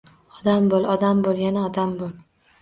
Odam bo’l, odam bo’l, yana odam bo’l!